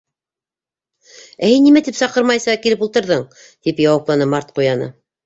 —Ә һин нимә тип саҡырмайса килеп ултырҙың? —тип яуапланы Март Ҡуяны.